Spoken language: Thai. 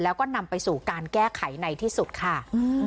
แล้วก็นำไปสู่การแก้ไขในที่สุดค่ะ